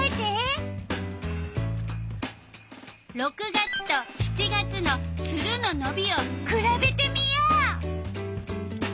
６月と７月のツルののびをくらべてみよう。